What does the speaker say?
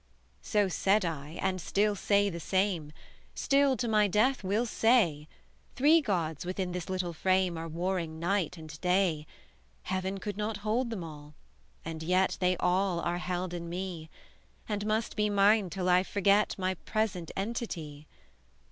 "So said I, and still say the same; Still, to my death, will say Three gods, within this little frame, Are warring night; and day; Heaven could not hold them all, and yet They all are held in me; And must be mine till I forget My present entity!